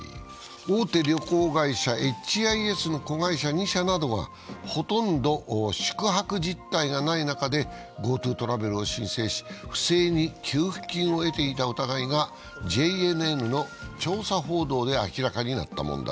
大手旅行会社、エイチ・アイ・エスの子会社２社などがほとんど宿泊実態がない中でＧｏＴｏトラベルを申請し、不正に給付金を得ていた疑いがＪＮＮの調査報道で明らかになった問題